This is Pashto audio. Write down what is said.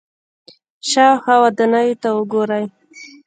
شاوخوا ودانیو ته وګورئ.